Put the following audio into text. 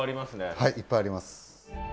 はいいっぱいあります。